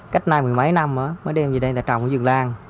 cách nay mười mấy năm á mới đem về đây người ta trồng ở vườn lan